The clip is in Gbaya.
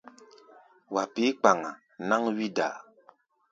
Wa pí̧ kpaŋa náŋ wí-daa.